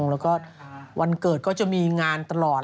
แล้วก็วันเกิดก็จะมีงานตลอด